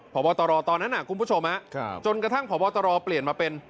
พบตรตอนนั้นคุณผู้ชมจนกระทั่งพบตรเปลี่ยนมาเป็น